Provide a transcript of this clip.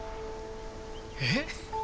えっ？